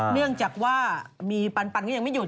เนื่องจากว่ามีปันก็ยังไม่หยุ